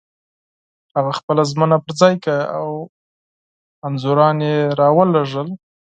هغه خپله ژمنه پر ځای کړه او عکسونه یې را ولېږل.